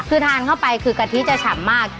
คือทานเข้าไปคือกะทิจะฉ่ำมาก